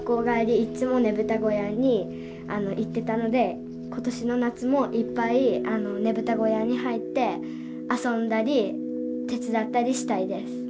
いっつもねぶた小屋に行ってたので今年の夏もいっぱいねぶた小屋に入って遊んだり手伝ったりしたいです。